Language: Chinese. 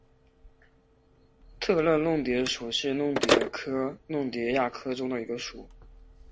特乐弄蝶属是弄蝶科弄蝶亚科中的一个属。